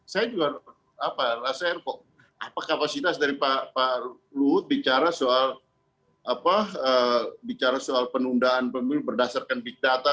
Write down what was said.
saya juga rasa apa kapasitas dari pak luhut bicara soal penundaan pemilih berdasarkan big data